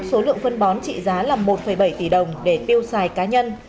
số lượng phân bón trị giá là một bảy tỷ đồng để tiêu xài cá nhân